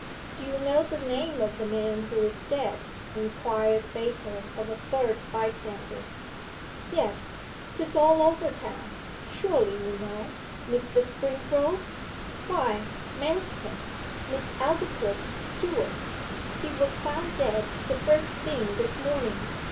'Do you know the name of the man who is dead?' inquired Baker of a third bystander. 'Yes, 'tis all over town surely you know, Mr. Springrove? Why, Manston, Miss Aldclyffe's steward. He was found dead the first thing this morning.